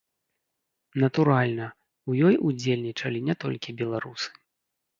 Натуральна, у ёй удзельнічалі не толькі беларусы.